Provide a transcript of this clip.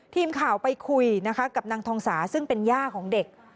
ทีมข่าวไปคุยนะคะกับนางทองสาซึ่งเป็นย่าของเด็ก